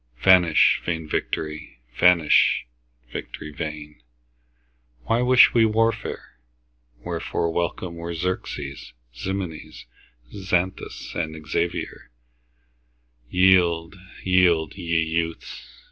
Vanish vain victory! vanish, victory vain! Why wish we warfare? Wherefore welcome were Xerxes, Ximenes, Xanthus, Xavier? Yield, yield, ye youths!